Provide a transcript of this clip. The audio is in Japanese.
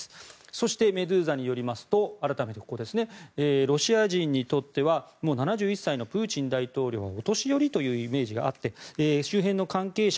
そして、メドゥーザによりますとロシア人にとっては７１歳のプーチン大統領はお年寄りというイメージがあって周辺の関係者